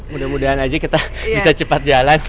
mudah mudahan aja kita bisa cepat jalan